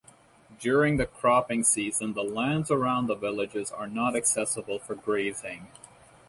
During the cropping season the lands around the villages are not accessible for grazing.